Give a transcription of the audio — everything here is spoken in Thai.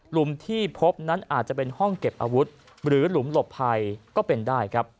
ที่พบนั้นอาจจะเป็นห้องเก็บอาวุธหรือหลุมหลบภัยก็เป็นได้ครับ